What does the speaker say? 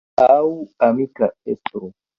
Aŭ amika estro.